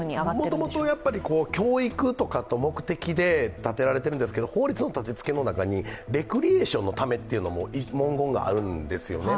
もともと教育とかの目的で建てられてるんですけど法律の立てつけの中にレクリエーションのためという文言があるんですよね。